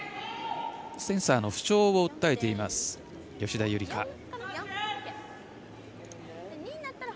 センサーの不調を訴えています、吉田夕梨花。